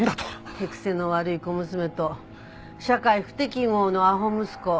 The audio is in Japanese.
手癖の悪い小娘と社会不適合のあほ息子。